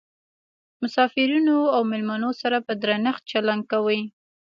مسافرینو او میلمنو سره په درنښت چلند کوي.